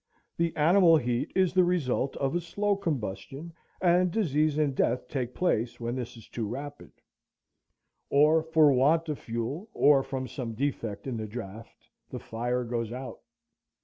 The animal heat is the result of a slow combustion, and disease and death take place when this is too rapid; or for want of fuel, or from some defect in the draught, the fire goes out.